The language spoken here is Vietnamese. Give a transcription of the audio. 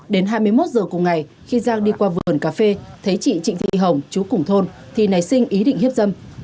đến hai mươi một giờ cùng ngày khi giang đi qua vườn cà phê thấy chị trịnh thị hồng chú cùng thôn thì nảy sinh ý định hiếp dâm